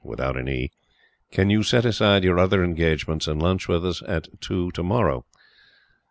Can you set aside your other engagements and lunch with us at two to morrow?